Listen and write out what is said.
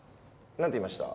何て言いました？